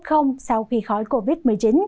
tình trạng f sau khi khỏi covid một mươi chín